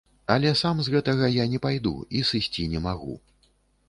Але сам з гэтага я не пайду і сысці не магу.